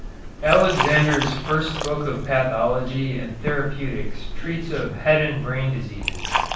Alexander's first book of pathology and therapeutics treats of head and brain diseases.